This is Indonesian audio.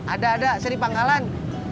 ada ada saya di panggalan